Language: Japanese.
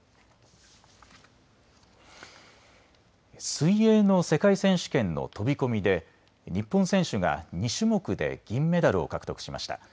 水泳の世界選手権の飛び込みで日本選手が２種目で銀メダルを獲得しました。